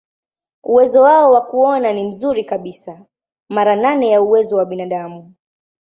Uwezo wao wa kuona ni mzuri kabisa, mara nane ya uwezo wa binadamu.